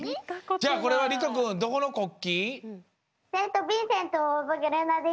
じゃあこれはりとくんどこの国旗？